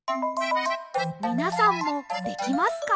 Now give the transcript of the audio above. みなさんもできますか？